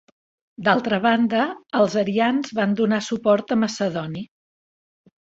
D'altra banda, els arians van donar suport a Macedoni.